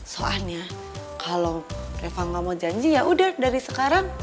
soalnya kalau reva gak mau janji yaudah dari sekarang